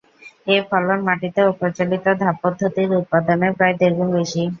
এ ফলন মাটিতে ও প্রচলিত ধাপপদ্ধতির উৎপাদনের প্রায় দেড় গুণ বেশি।